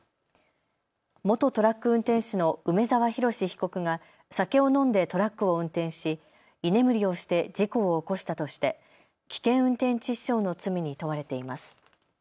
元トラック運転手の梅澤洋被告が酒を飲んでトラックを運転し居眠りをして事故を起こしたとして危険運転致死傷の罪に問われています。